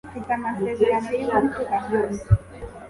Mfite amasezerano yingutu ahandi